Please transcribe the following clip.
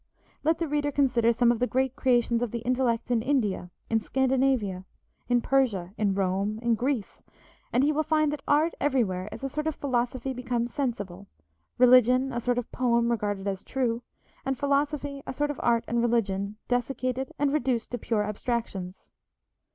Let the reader consider some of the great creations of the intellect in India, in Scandinavia, in Persia, in Rome, in Greece, and he will find that art everywhere is a sort of philosophy become sensible, religion a sort of poem regarded as true, and philosophy a sort of art and religion, desiccated and reduced to pure abstractions.